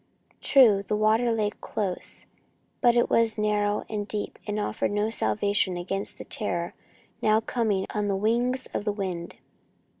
True, the water lay close, but it was narrow and deep and offered no salvation against the terror now coming on the wings of the wind.